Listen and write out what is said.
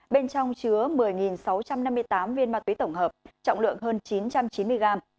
bên trong chứa một mươi sáu trăm năm mươi tám viên ma túy tổng hợp trọng lượng hơn chín trăm chín mươi gram